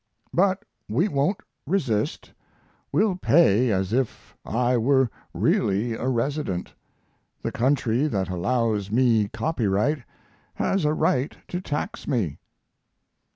But we won't resist. We'll pay as if I were really a resident. The country that allows me copyright has a right to tax me.